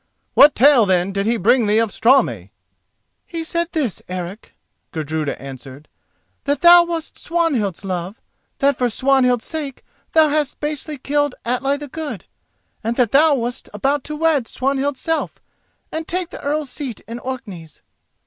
"What tale, then, did he bring thee from Straumey?" "He said this, Eric," Gudruda answered: "that thou wast Swanhild's love; that for Swanhild's sake thou hadst basely killed Atli the Good, and that thou wast about to wed Swanhild's self and take the Earl's seat in Orkneys."